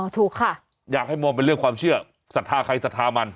อ๋อถูกค่ะอยากให้มองเป็นเรื่องความเชื่อสัตว์ท่าใครสัตว์ท่ามัน